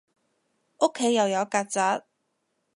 屋企又有曱甴